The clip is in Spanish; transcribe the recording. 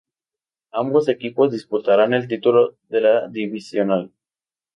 Ambos equipos disputarán el título de la divisional.